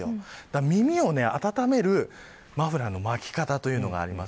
耳を温めるマフラーの巻き方というものがあります。